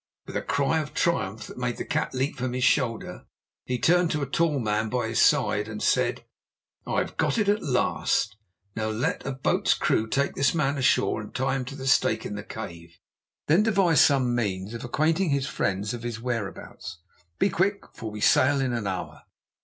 With a cry of triumph that made the cat leap from his shoulder, he turned to a tall man by his side and said: "'I've got it at last! Now let a boat's crew take this man ashore and tie him to the stake in the cave. Then devise some means of acquainting his friends of his whereabouts. Be quick, for we sail in an hour.'